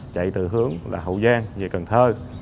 chạy từ hướng hậu giang về cần thơ